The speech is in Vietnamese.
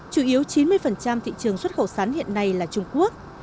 chủ yếu chín mươi thị trường xuất khẩu sắn hiện nay là trung quốc